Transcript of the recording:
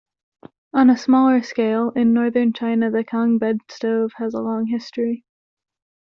On a smaller scale, in Northern China the Kang bed-stove has a long history.